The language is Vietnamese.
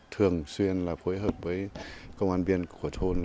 thường xuyên là phối hợp với công an viên của thôn